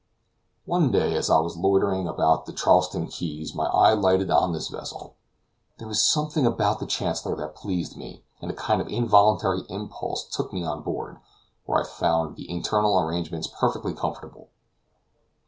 One day, as I was loitering about the Charleston quays, my eye lighted on this vessel. There was something about the Chancellor that pleased me, and a kind of involuntary impulse took me on board, where I found the internal arrangements perfectly comfortable.